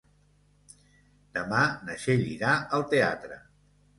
Demà na Txell irà al teatre.